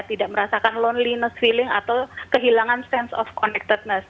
tidak merasakan loneliness feeling atau kehilangan sense of connected